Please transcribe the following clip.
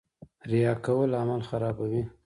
ریا کول عمل خرابوي